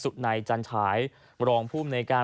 สุดนายจันทรายรองพุ่มในการ